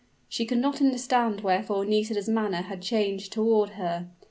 She could not understand wherefore Nisida's manner had changed toward her.